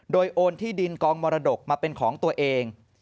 โดยโอนที่ดินกองมรดกมาเป็นของตัวเอง